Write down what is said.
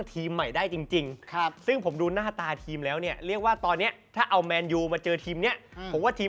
ค่าตัวรวมกันไม่ถึง๒๐ล้านพรคุณยังแพ้เขาสู้ไม่ได้เลยโทษที